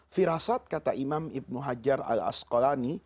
firasat kata imam ibn hajar al asqalani